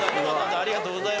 ありがとうございます。